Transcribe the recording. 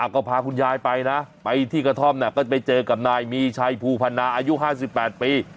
ก็พาคุณยายไปนะไปที่กระท่อมก็ไปเจอกับนายมีชัยภูพันนาอายุ๕๘ปี